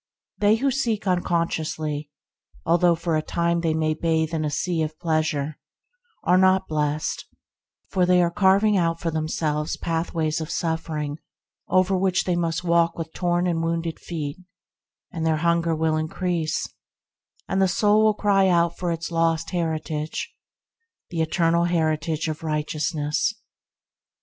They who seek uncon sciously, although for a time they may bathe in a sea of pleasure, are not blest; for they are carving out for themselves pathways of suffering over which they must walk with torn and wounded feet, and their hunger will increase, and the soul cry out for its lost heritage — the eternal heritage of righteousness.